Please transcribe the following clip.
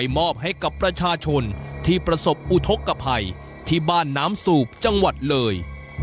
มอบให้กับประชาชนที่ประสบอุทธกภัยที่บ้านน้ำสูบจังหวัดเลย